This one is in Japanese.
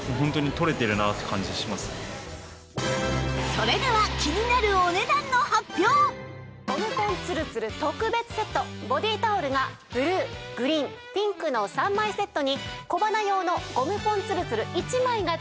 それではゴムポンつるつる特別セットボディータオルがブルーグリーンピンクの３枚セットに小鼻用のゴムポンつるつる１枚が付きまして。